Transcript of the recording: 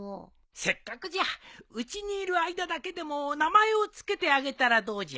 せっかくじゃうちにいる間だけでも名前を付けてあげたらどうじゃ？